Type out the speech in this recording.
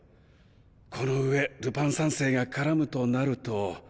この上ルパン三世が絡むとなると。